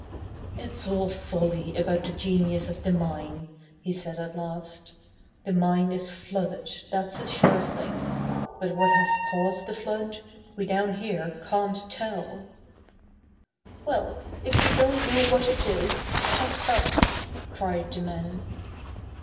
"It's all folly about the genius of the mine," he said at last, "The mine is flooded, that's a sure thing. But what has caused the flood, we down here can't tell...." "Well, if you don't know what it is, shut up," cried the men.